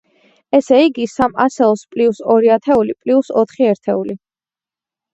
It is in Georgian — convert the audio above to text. ესე იგი, სამ ასეულს პლიუს ორი ათეული, პლიუს ოთხი ერთეული.